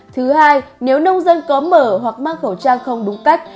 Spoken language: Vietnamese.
thứ hai nếu nông dân có mở hoặc mang khẩu trang không đúng cách